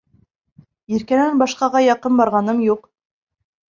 Иркәнән башҡаға яҡын барғаным юҡ.